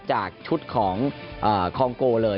จากชุดของคองโกเลย